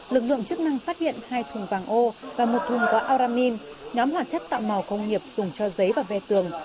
lực lượng chức năng phát hiện hai thùng vàng ô và một thùng có auramin nhóm hóa chất tạo màu công nghiệp dùng cho giấy và ve tường